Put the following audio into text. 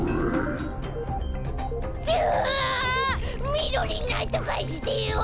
みろりんなんとかしてよ！